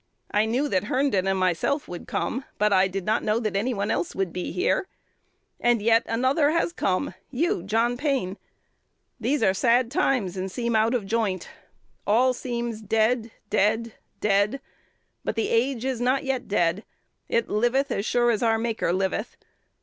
I knew that Herndon and myself would come, but I did not know that any one else would be here; and yet another has come, you, John Pain. These are sad times, and seem out of joint. All seems dead, dead, dead: but the age is not yet dead; it liveth as sure as our Maker liveth.